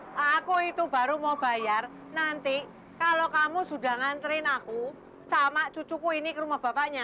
kalau aku itu baru mau bayar nanti kalau kamu sudah nganterin aku sama cucuku ini ke rumah bapaknya